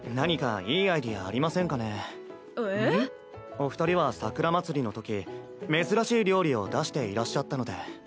お２人は桜まつりのとき珍しい料理を出していらっしゃったので。